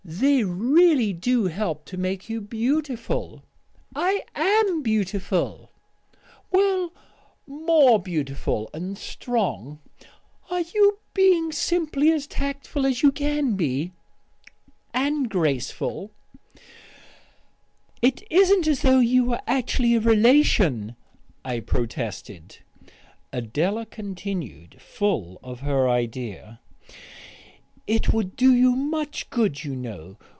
"They really do help to make you beautiful " "I am beautiful." "Well, much more beautiful, and strong " "Are you being simply as tactful as you can be?" " and graceful." "It isn't as though you were actually a relation," I protested. Adela continued, full of her idea. "It would do you so much good, you know.